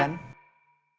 kalo gak bisa kita nyuruh